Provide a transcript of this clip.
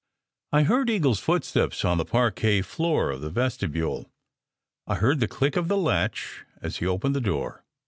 I heard Eagle s footsteps on the parquet floor of the vestibule. I heard the click of the latch as he opened the door.